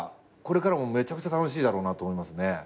これからもめちゃくちゃ楽しいだろうなと思いますね。